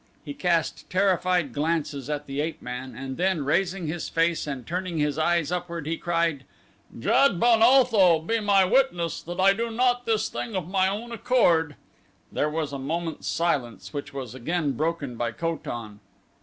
He cast terrified glances at the ape man and then raising his face and turning his eyes upward he cried: "Jad ben Otho be my witness that I do not this thing of my own accord." There was a moment's silence which was again broken by Ko tan.